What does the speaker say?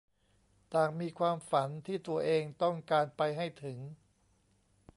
ต่างมีความฝันที่ตัวเองต้องการไปให้ถึง